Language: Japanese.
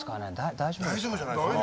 大丈夫じゃないですか？